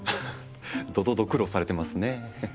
ドドド苦労されてますね。